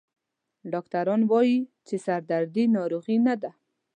ډاکټران وایي چې سردردي ناروغي نه ده.